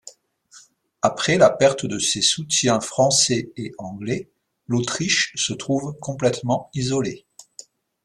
Après la perte de ses soutiens français et anglais, l'Autriche se trouve complètement isolée.